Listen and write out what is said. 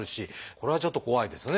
これはちょっと怖いですね。